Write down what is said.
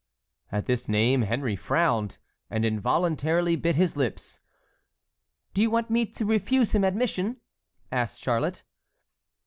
At this name Henry frowned, and involuntarily bit his lips. "Do you want me to refuse him admission?" asked Charlotte.